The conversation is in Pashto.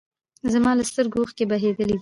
زما له سترګو اوښکې بهېدلي دي